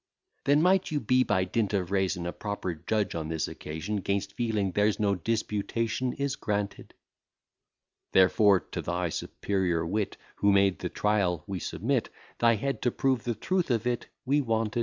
Then might you be, by dint of reason, A proper judge on this occasion; 'Gainst feeling there's no disputation, is granted: Therefore to thy superior wit, Who made the trial, we submit; Thy head to prove the truth of it we wanted.